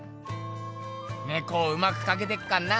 猫をうまくかけてっかんな